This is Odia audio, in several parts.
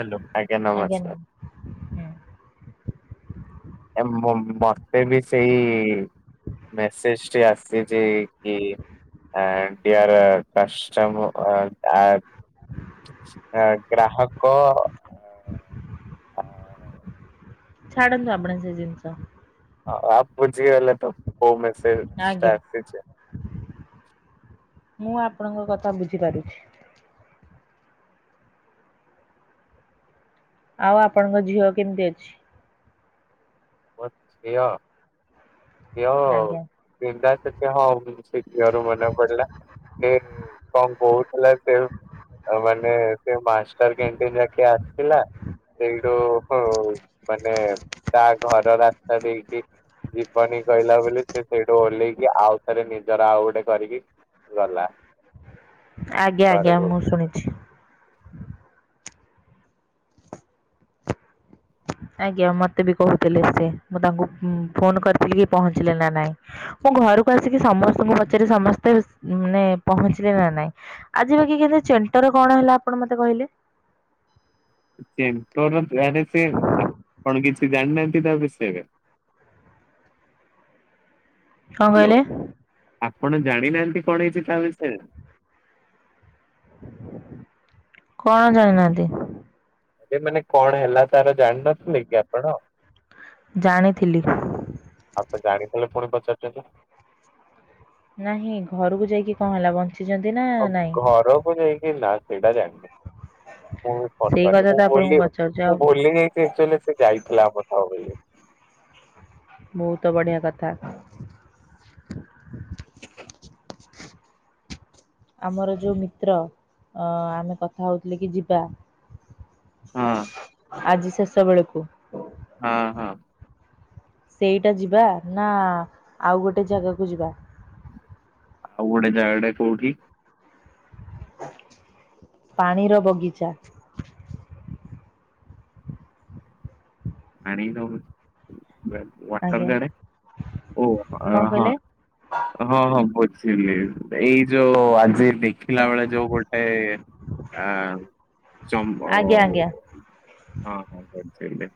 ହାଲୋ ଆଜ୍ଞା ନମସ୍କାର। ହୁଁ ଏମ ମୋମ ମତେ ବି ସେଇ ମେସେଜ ଟିଏ ଆସିଛି କି? ଆଡିଅର କଷ୍ଟମ ଆର ଆଟ ଏଁ ଗ୍ରାହକ ଆ ଛାଡ଼ନ୍ତୁ ଆପଣ ସେ ଜିନିଷ। ହଉ ଆ ବୁଝିଗଲେ ତ କୋଉ ମେସେଜ ଆଜ୍ଞା ଷ୍ଟାରୁ ଆସିଛି? ମୁଁ ଆପଣଙ୍କ କଥା ବୁଝିପାରୁଛି। ଆଉ ଆପଣଙ୍କ ଝିଅ କେମିତି ଅଛି। ମୋ ଝିଅ ଝିଅ ଆଜ୍ଞା [unintelligible] ସେ କ୍ଲିଅର ମ୍ୟାଡ଼ାମ୍ ପଡ଼ିଲା [unintelligible] ସେ ଆଉ ମାନେ ମାଷ୍ଟର କ୍ୟାଣ୍ଟିନ୍ ଯାକେ ଆସିଲା ସେଇଠୁ ମାନେ ତା ଘର ରାସ୍ତା ଦେଇକି ଜୀବନୀ କହିଲା ବୋଲି ସେ ସେଇଠୁ ଓହ୍ଲେଇକି ଆଉ ଥରେ ନିଜର ଆଉ ଗୋଟେ କରିକି। ଗଲା। ଆଜ୍ଞା ଆଜ୍ଞା ଘରକୁ। ମୁଁ ଶୁଣିଛି। ଆଜ୍ଞା ମତେ ବି କହୁଥିଲେ ସିଏ ମୁଁ ତାଙ୍କୁ ଫୋନ କରିଥିଲି କି ପହଞ୍ଚିଲେ ନା ନାଇଁ? ମୁଁ ଘରକୁ ଆସିକି ସମସ୍ତଙ୍କୁ ପଚାରେ ସମସ୍ତେ ମାନେ ପହଞ୍ଚିଲେ ନା ନାଇଁ? ଆଜି ବାକି କେତେ ଚେଣ୍ଟର କଣ ହେଲା ଆପଣ ମତେ କହିଲେ? ଚେନ୍ଟରର ଗ୍ଲାରିଫି ସେ ଆପଣ କିଛି ଜାଣିନାହାନ୍ତି ତା ବିଷୟରେ? କଣ ହାଲୋ କହିଲେ? ଆପଣ ଜାଣିନାହାନ୍ତି କଣ ହେଇଛି ତା ବିଷୟରେ? କଣ ଜାଣିନାହାନ୍ତି? ଏ ମାନେ କଣ ହେଲା ତାର ଜାଣିନଥିଲେ କି ଆପଣ? ଜାଣିଥିଲି ଆଉ ତ ଜାଣିଥିଲେ ପୁଣି ପଚାରୁଛନ୍ତି? ନାହିଁ ଘରକୁ ଯାଇକି କଣ ହେଲା ବନ୍ ଯନ୍ତିନା ଆଉ ଘରକୁ ଯାଇକି ନା ସେଇଟା ଜାଣିନି। ମୁଁ ବି ଫୋନ ସେଇ କରିନି କଥା ମୁଁ ତ ଆପଣଙ୍କୁ ଭଲି ପଚାରୁଛି ଆଉ ମୁଁ ଭୁଲି ଯାଇଛିି ଏକଚୋଲି ସେ ଯାଇଥିଲା କଥାହବ ବୋଲି। ବହୁତ ବଢ଼ିଆ କଥା। ଆମର ଯେଉଁ ମିତ୍ର ଅ ଆମେ କଥା ହେଉଥିଲେ କି ଯିବା। ହଁ ଆଜି ଶେଷ ବେଳକୁ ହଁ ହଁ। ସେଇଟା ଯିବା ନା ଆଉ ଗୋଟେ ଜାଗାକୁ ଯିବା? ଆଉ ଗୋଟେ ଜାଗାଟେ କୋଉଠି? ପାଣିର ବଗିଚା। ପାଣିର ଆଜ୍ଞା ୱଟରଗାଡ୍ ଓ ଅ କଣ ହଁ। କହିଲେ? ହଁ ହଁ ବୁଝିଲି ଏଇ ଯୋଉ ଆଜି ବି ଥିଲା ବେଳେ ଯୋଉ ଗୋଟେ ଆ ଚମ୍ବଅ ଆଜ୍ଞା ଆଜ୍ଞା ହଁ, ହଁ ସେ ସେ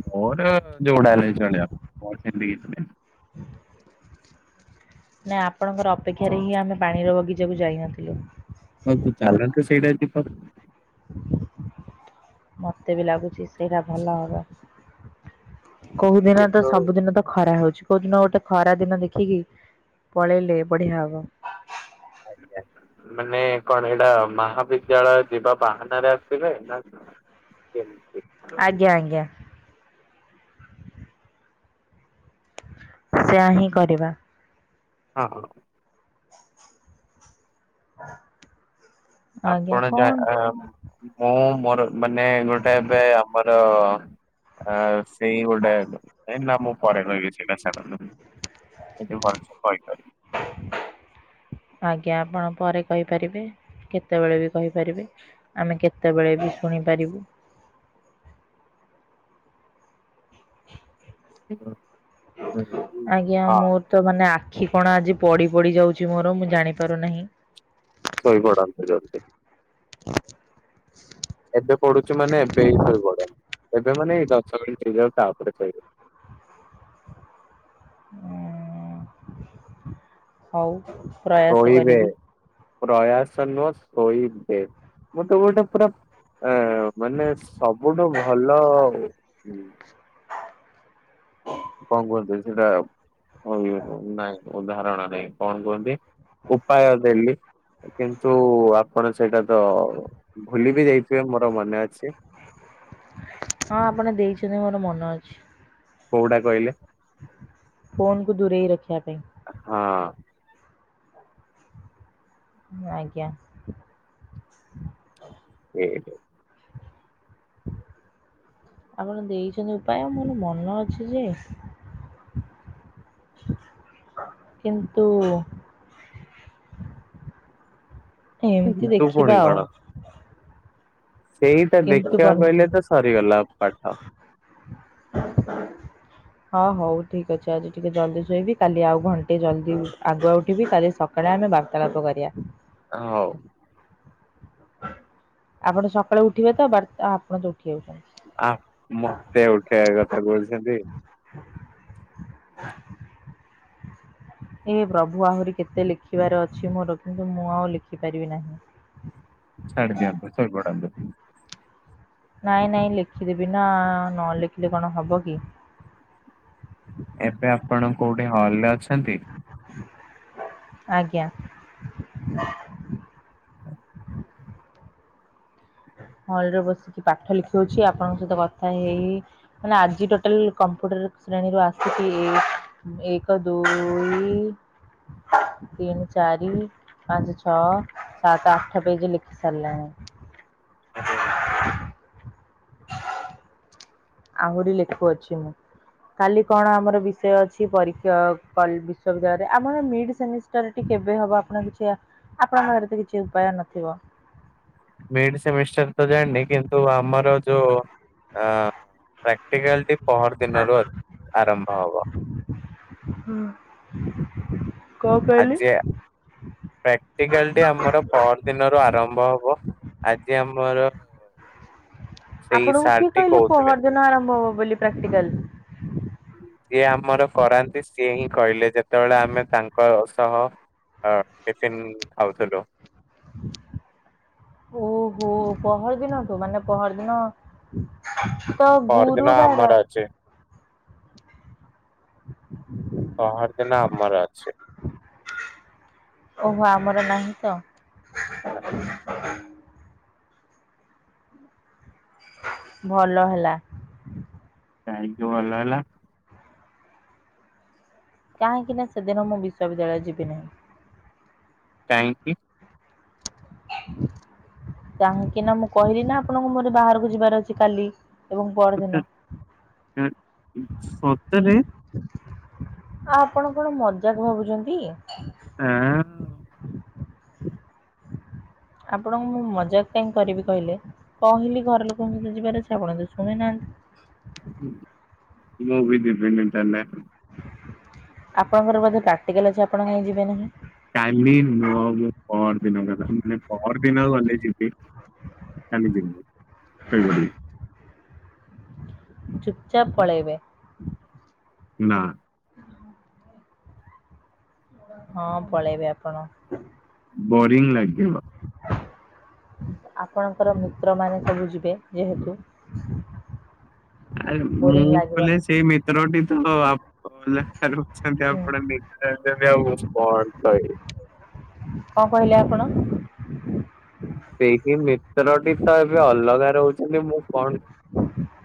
ମୋର ଜୋଉଡ଼ା ହେଲେବି ଚଳିବ ମୋର ସେମିତି କିଛି ନାହିଁ। ନା ଆପଣଙ୍କର ଅପେକ୍ଷାରେ ହିଁ ଆମେ ପାଣିର ବଗିଚାକୁ ଯାଇନଥିଲୁ। [unintelligible] ମୋତେ ବି ଲାଗୁଛି ସେଇରା ଭଲ ହବ। କୋଉ ଦିନ ତ, କିନ୍ତୁ ସବୁଦିନ ତ ଖରା ହୋଉଚି। କୋଉଦିନ ଗୋଟେ ଖରା ଦିନ ଦେଖିକି ପଳେଇଲେ ବଢିଆ ହବ। ଆଜ୍ଞା ମାନେ କଣ ଏଇଟା ମହାବିଦ୍ୟାଳୟ ଯିବା ବାହାନାରେ ଆସିବେ ନା କେମିତି? ଆଜ୍ଞା ଆଜ୍ଞା। ସେଇଆ ହିଁ କରିବା। ହଁ ହଁ। ହ ଆପଣ ଯା ଆ ମୁଁ ମୋର ମାନେ ଗୋଟେ ଏବେ ଆମର ଆ ସେଇ ଗୋଟ ଏ ନ ମୁ ପରେ କହିବି ସେଟା ଛାଡ଼। ଏନ୍ତୁ ଭାଉଚି କହି କରି ଆଜ୍ଞା ଆପଣ ପରେ କହିପାରିବେ କେତେବେଳେ ବି କହିପାରିବେ। ଆମେ କେତେବେଳେ ବି ଶୁଣିପାରିବୁ। [unintelligible] ହୁଁ। ଆଜ୍ଞା ହଁ ମୁ ତ ମାନେ ଆଖି କଣ ଆଜି ପଡ଼ି ପଡ଼ି ଯାଉଛି ମୋର ମୁଁ ଜାଣିପାରୁନେହିଁ। ସୋଇ ପଡ଼ନ୍ତୁ ଯଲ୍ଦି। ହ ଏବେ ପଡୁଛୁ ମାନେ ଏବେ ହି ଶୋଇ ପଡ ଏବେ ମାନେ ଏଇ ଦଶ ମିନିଟ ହେଇଯାଉ ତାପରେ ଶୋଇବ। ହୋଉ। ଶୋଇବେ ପ୍ରୟାସ ନୁହଁ ଶୋଇବେ ମୁଁ ତ ଗୋଟେ ପୁରା ଏ ମାନେ ସବୁଠୁ ଭଲ କଁ କୁହନ୍ତି ସେଇଟା ହୁଁ ନାଇଁ ଉଦାହରଣ ରେ କଣ କୁହନ୍ତି ଉପାୟ ଦେଲି। କିନ୍ତୁ ଆପଣ ସେଇଟା ତ ଭୁଲି ବି ଯାଇଥିବେ ମୋର ମନେ ଅଛି। ହଁ ଆପଣ ଦେଇଛନ୍ତି ମୋର ମନେ ଅଛି। କୋଉଟା କହିଲେ? ଫୋନ କୁ ଦୂରେଇ ରଖିବା ପାଇଁ। ହଁ। ଆଜ୍ଞା। ଏହେ। ଆପଣ ଦେଇଛନ୍ତି ଉପାୟ ମୋର ମନ ଅଛି ଯେ କିନ୍ତୁ ଏମ୍ ତି କିନ୍ତୁ ପୁଣି ଦେଖିବା ଆଉ। କଣ ସେଇଟା କିନ୍ତୁ ଦେଖିବାକୁ ହେଲେ କରନ୍ତୁ ତ ସରିଗଲା ପାଠ। ହଁ ହୋଉ ଠିକ୍ ଅଛି ଆଜି ଟିକେ ଜଲ୍ଦି ଶୋଇବି କାଲି ଆଉ ଘଣ୍ଟେ ଜଲଦି ଆଗୁଆ ଉଠିବି କାଲି ସ କରେ ଆମେ ବାର୍ତ୍ତାଳାପ କରିବା। ହୋଉ। ଆପଣ ସକାଳେ ଉଠିବେ ତ ବତ୍ ଆପଣ ତ ଉଠି ଯାଉଚନ୍ ଆ ମତେ ଉଠେଇିବା କଥା କୋହୁଛନ୍ତି। ହେ ପ୍ରଭୁ ଆହୁରି କେତେ ଲେଖିବାର ଅଛି ମୋର କିନ୍ତୁ ମୁଁ ଆଉ ଲେଖିପାରିବି ନାହିଁ। ଛଡ଼ଦିଅନ୍ତୁ ସୋଇପଡନ୍ତୁ। ନାଇଁ ନାଇଁ ଲେଖିଦେବି ନାଁ ନଲେଖିଲେ କଣ ହବ କି? ଏବେ ଆପଣ କୋଉଠି ହଲ୍ ରେ ଅଛନ୍ତି? ଆଜ୍ଞା। ହଲ୍ ରେ ବସିକି ପାଠ ଲେଖଉଛି ଆପଣଙ୍କ ସହିତ କଥା ହେଇ ମାନେ ଆଜି ଟୋଟାଲ କମ୍ପ୍ୟୁଟର ଶ୍ରେଣୀରୁୁ ଆସିଛିି। ଏକ ଦୁଇ ତିନ ଚାରି। ପାଞ୍ଚ ଛଅ ସାତ ଆଠ ପେଜେ ଲେଖି ସାରିଲାଣି। ଅଦ୍ୟା ବମ। [inaudible] ଆହୁରି ଲେଖୁଅଛି ମୁଁ। କାଲି କଣ ଆମର ବିଷୟ ଅଛି ପରୀକ୍ଷା କଲ୍ ବିଶ୍ୱବିଦ୍ୟାଳୟରେ ଆମର ନିଡ୍ ସେମିଷ୍ଟ କେବେ ହବ ଆପଣ କିଛି ଆ ଆପଣଙ୍କ ପାଖରେ ତ କିଛି ଉପାୟ ନଥିବ। ମିଡ ସେମିଷ୍ଟର ତ ଜାଣନି କିନ୍ତୁ ଆମର ଯୋଉ ଆ ପ୍ରାକ୍ଟିକାଲ ଟି ପହର ଦିନରୁ ଆରମ୍ଭ ହବ। ହଁ। ଆଜି ପ୍ରାକ୍ଟିକାଲଟି ଆମର ପଅରି ଦିନରୁ ଆରମ୍ଭ ହବ। ଆଜି ଆମର ସେଇ ଆପଣଙ୍କୁ ସାର୍ କିଏ ଟି କହିଲେ କହୁଥିଲେ। ପହର ଦିନରୁ ଆରମ୍ଭ ହବ ବୋଲି ପ୍ରାକ୍ଟିକାଲ? [inaudible] ଯିଏ ଆମର କରାନ୍ତି ସିଏ ହିଁ କହିଲେ ଯେତେବେଳେ ଆମେ ତାଙ୍କ ସହ ଆ ଟିଫିନ୍ ଖାଉଥିଲୁ। ଓହୋ ପହରିଦିନ ଠୁ ମାନେ ପହରିଦିନ ତ ଗୁରୁବାର। ପହରି ଦିନ ଆମର ଅଛି। ଓହ ଆମର ନାହିଁ ତ। [unintelligible] ଭଲ ହେଲା। କାହିଁକି ଭଲ ହେଲା? କାହିଁକି ନା ସେଦିନ ମୁଁ ବିଶ୍ୱବିଦ୍ୟାଳୟ ଯିବି ନାହିଁ। କାହିଁକି? କାହିଁକି ନା ମୁଁ କହିଲି ନା ଆପଣଙ୍କ ମୋରେ ବାହାରକୁ ଯିବାର ଅଛି କାଲି। ଏବଂ ପରଦିନ। [unintelligible] ସତରେ। ଆଉ ଆପଣ କଣ ମଜାକ ଭାବୁଛନ୍ତି। ଆଁ। ଆପଣଙ୍କୁ ମୁଁ ମଜାକ କାହିଁ କରିବି କହିଲେ? କହିଲି ଘର ଲୋକଙ୍କ ସହିତ ଯିବାର ଅଛି ଆଉ କଣ ତ ଶୁଣି ନାହାନ୍ତି। ହୁଁ ମୁଁ ବି ଯିବିନି ତା ନାଁ। ଆପଣଙ୍କର ବୋଧେ ପ୍ରାକ୍ଟିକାଲ ଅଛି ଆପଣ କାହିଁ ଯିବେ ନାହିଁ? କାଲି ନୁହଁ ମୁଁ ପର ଦିନ କଥା ମାନେ ପର ଦିନ ଗଲେ ଯିବି। କାଲି ଯିବିନି ଶୋଇ ପଡ଼ିବି। ଚୁପ୍ ଚାପ୍ ପଳେଇବ। ନାଁ। [unintelligible] ହଁ ପଳେଇବେ ଆପଣ। ବୋରିଙ୍ଗି ଲାଗିବ। ଆପଣଙ୍କର ମିତ୍ର ମାନ ସବୁ ଯିବେ ଯେହେତୁ। ଆରେ ମୁଁ ବୋରିଂ ଗଲେ ଲାଗିବନି। ସେଇ ମିତ୍ରଟି ତ [unintelligible] ଅଛନ୍ତି ହୁଁ ଆପଣ ମି ଏମିତି ବି ଆଉ କଣ କହିବି। କଣ କହିଲେ ଆପଣ? ସେଇକି ମିତ୍ରଟି ତ ଏବେ ଅଲଗା ରହୁଛନ୍ତି ମୁଁ କଣ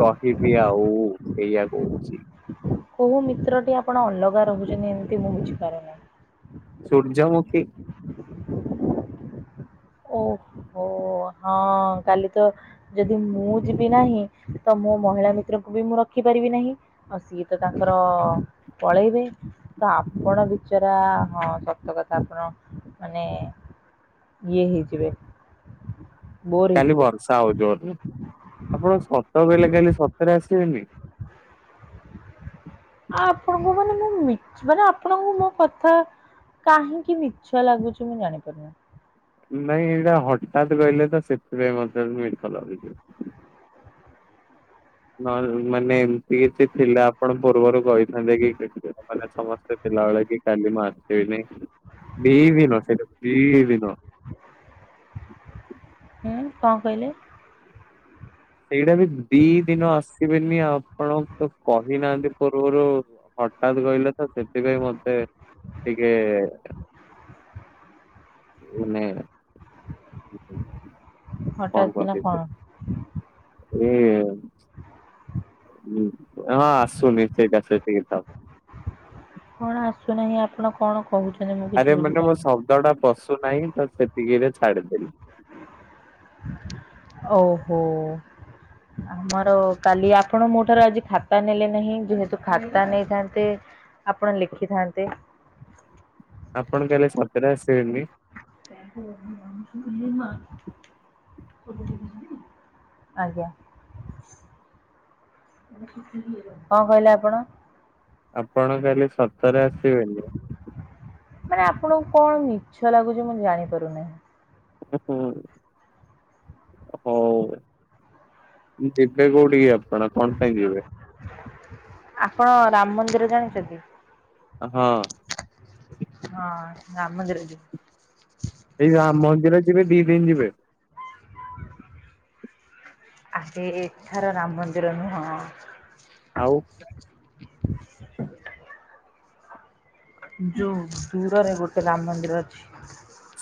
କହିବି ଆଉ ସେଇଆ କହୁଚି। କୋଉ ମିତ୍ରଟି ଆପଣ ଅଲଗା ରହୁଚନ୍ତି ଏମିତି ମୁଁ ବୁଝିପାରୁନାହିଁ। ସର୍ଯ୍ୟମୁଖି। ଓ ହୋ ହଁ କାଲି ତ ଯଦି ମୁଁ ଯିବି ନାହିଁ ତ ମୋ ମହିଳା ମିତ୍ରକୁ ବି ମୁଁ ରଖିପାରିବି ନାହିଁ। ଆଉ ସିଏ ତ ତାଙ୍କର ପଳେଇବେ। ତ ଆପଣ ବିଚରା ହଁ ସତ କଥା ଆପଣ ମାନେ ଇଏ ହେଇଯିବେ। ବୋର୍ କାଲି ହେଇଯିବେ ବର୍ଷା ହଉଥିବ ତ, ଆପଣ ସତ କହଲେ କାଲି ସତରେ ଆସିବେନି? ଆପଣଙ୍କୁ ମାନେ ମୁଁ ମି ମାନେ ଆପଣଙ୍କୁ ମୋ କଥା କାହିଁକି ମିଛ ଲାଗୁଚି ମୁଁ ଜାଣିପାରୁନି। ନାଇଁ ଏଇଟା ହଠାତ କହିଲେ ତ ସେଥିପାଇଁ ମତେ ମିଠ ଲାଗୁଚି। ନ ମାନେ ଏମତି କିଛି ଥିଲା ଆପଣ ପୂର୍ବରୁ କହିଥାନ୍ତେ କି ମାନେ ସମସ୍ତେ ଥିଲାବେଳେ କି କାଲି ମ ସିନଦି ଦିନ ସେଟା ଦି ଦିନ। ହୁଁ କଣ କହିଲେ? ସେଇଟା ବି ଦି ଦିନ ଆସିବେନି ଆପଣ ତ କହିନାହାନ୍ତି ପୂର୍ବରୁ। ହଠାତ୍ କହିଲେ ତ ସେଥିପାଇଁ ମତେ ଟିକେ ମନେ ହଠାତ୍ କି ନା କଣ? ହୁ। ହଁ ହଁ ଆସୁନି ସେଇଟା ସେତିକି ଥାଉ। କଣ ଆସୁନାହିଁ ଆପଣ କଣ କହୁଛନ୍ତି ମୁ ଆରେ ମାନେ ମୋ ଶବ୍ଦ ଟା ପସୁନାହିଁ ତ ସେତିକି ରେ ଛାଡିଦେଲି। ଓହୋ। [inaudible] ଆମର କାଲି ଆପଣ ମୋ ଠାରୁ ଆଜି ଖାତା ନେଲେ ନାହିଁ ଯେହେତୁ ଖାତା ନେଇଥାନ୍ତେ ଆପଣ ଲେଖିଥାନ୍ତେ। ଆପଣ କାଲି ସତରେ ଆସିବେନି? [inaudible] ଆଜ୍ଞା। କଣ କହିଲେ ଆପଣ? ଆପଣ କାଲି ସତରେ ଆସିବେନି? ମାନେ ଆପଣଙ୍କୁ କଣ ମିଛ ଲାଗୁଚି ମୁଁ ଜାଣିପାରୁନାହିଁ। ଉ ହୁଁ। ହଉ ଯିବେ କୋଉଠିକି ଆପଣ କଣ ପାଇଁ ଯିବେ? ଆପଣ ରାମ ମନ୍ଦିର ଜାଣିଛନ୍ତି? ହଁ। ହଁ ରାମନ୍ଦର ଯିବୁ। ଏଇ ରାମ ମନ୍ଦିରେ ଯିବେ ଦି ଦିନ ଯିବେ? ଆଜି ଏଠାର ରାମ ମନ୍ଦିର ବି ହଁ। ଆଉ? ଯଉ ଦରରେ ଗୋଟେ ରାମ ମନ୍ଦିର ଅଛି।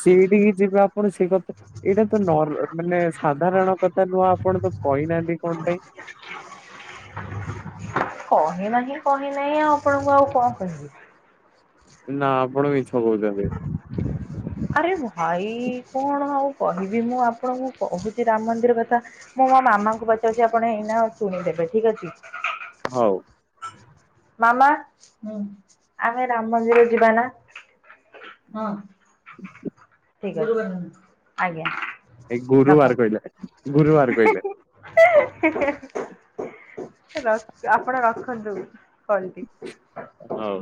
ସେିଇଠିକି ଯିବା ଆପରେ ସେ ଟା ତ ଏଇଟା ତ ନର ମାନେ ସାଧାରଣ କଥା ନୁହଁ ଆପଣ ତ କହିନାହାନ୍ତି କଣ ପାଇଁ? କହି ନାହିଁ କହି ନାହିଁ ଆଉ ଆପଣଙ୍କୁ ଆଉ କଣ କହିବି? ନା ଆପଣ ମିଛ କହୁଛନ୍ତି। ଆରେ ଭାଇ କଣ ଆଉ କହିବି ମୁଁ ଆପଣଙ୍କୁ କହୁଚି ରାମ ମନ୍ଦିର କଥା। ମୁଁ ମୋ ମାମାଙ୍କୁ ପଚାରୁଚି ଆପଣ ଏଇନା ଶୁଣିଦେବେ ଠିକ ଅଛି। ହଉ। ମାମା ଆମେ ରାମ ମନ୍ଦିର ଯିବା ନା? [inaudible] ଠିକ ଅଛି ଆଜ୍ଞା। ଏଇ ଗୁରୁବାର କହିଲେ। ଗୁରୁବାର କହିଲେ। [inaudible] ହେ ର ଆପଣ ରଖନ୍ତୁ କଲ୍ ଟି। ହଉ।